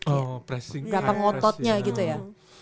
oh pressing gampang ngototnya gitu ya